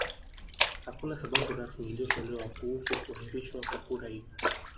Hakuna sababu rasmi iliyotolewa kuhusu kuahirishwa kwa kura hiyo